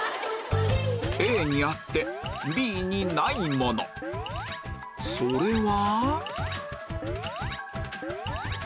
ＡにあってＢにないものそれは？